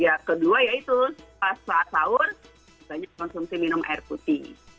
ya kedua yaitu pas saat sahur kita harus konsumsi minum air putih